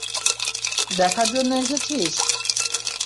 দেখার জন্য এসেছিস?